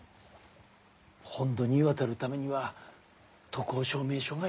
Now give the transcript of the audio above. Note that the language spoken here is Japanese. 本土に渡るためには渡航証明書が要る。